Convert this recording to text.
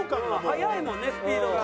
速いもんねスピードが。